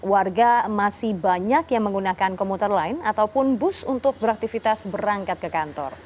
warga masih banyak yang menggunakan komuter lain ataupun bus untuk beraktivitas berangkat ke kantor